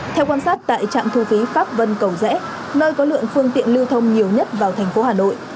theo quan sát tại trạm thu phí pháp vân cầu rẽ nơi có lượng phương tiện lưu thông nhiều nhất vào thành phố hà nội